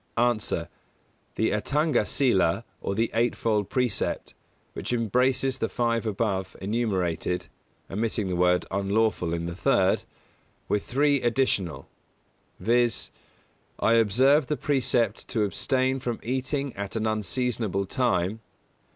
_ A. The Atthanga Sīla, or the Eightfold Precept, which embraces the five above enumerated (omitting the word "unlawful" in the third), with three additional; viz.: I observe the precept to abstain from eating at an unseasonable time.